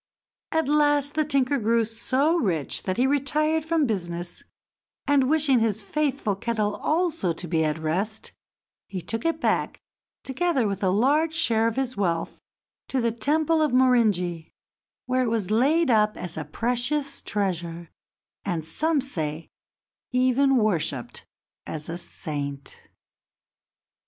At last the tinker grew so rich that he retired from business, and, wishing his faithful kettle also to be at rest, he took it back, together with a large share of his wealth, to the temple of Morinji, where it was laid up as a precious treasure and, some say, even worshiped as a saint.